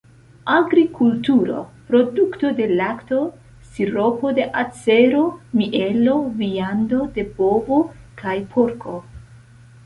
Agrikulturo: produkto de lakto, siropo de acero, mielo, viando de bovo kaj porko.